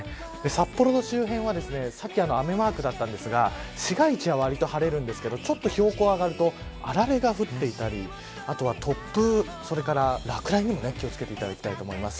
札幌の周辺はさっき雨マークだったんですが市街地はわりと晴れるんですけどちょっと標高が上がるとあられが降っていたりあとは突風、それから落雷にも気を付けていただきたいと思います。